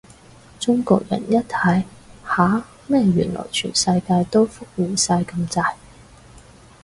中國人一睇，吓？乜原來全世界都復原晒咁滯？